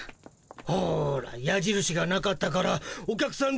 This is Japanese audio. ほらやじるしがなかったからお客さん